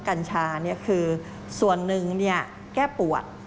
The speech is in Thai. กัญชาคือส่วนหนึ่งแก้ปวด